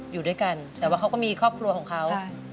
อยู่ด้วยกันแต่ว่าเขาก็มีครอบครัวของเขา